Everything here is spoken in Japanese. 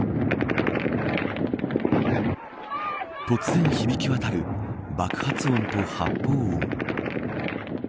突然響きわたる爆発音と発砲音。